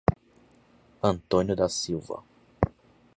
Antônio da Silva